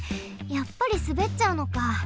やっぱりすべっちゃうのか。